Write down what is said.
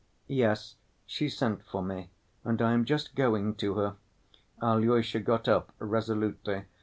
"Yes, she sent for me, and I am just going to her." Alyosha got up resolutely.